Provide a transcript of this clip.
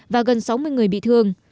và gần sáu mươi người bị thương